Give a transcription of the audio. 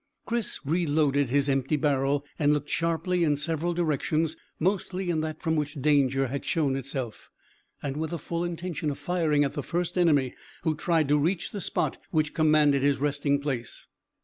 Chris re loaded his empty barrel and looked sharply in several directions, mostly in that from which danger had shown itself, and with the full intention of firing at the first enemy who tried to reach the spot which commanded his resting place.